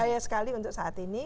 saya sekali untuk saat ini